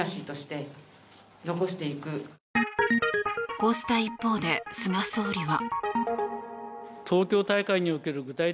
こうした一方で菅総理は。